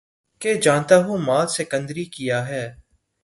کہ جانتا ہوں مآل سکندری کیا ہے